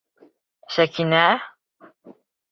Сәкинә?!